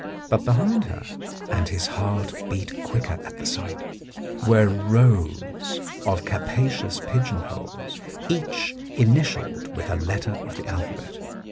But behind her — and his heart beat quicker at the sight — were rows of capacious pigeon holes, each initialled with a letter of the alphabet.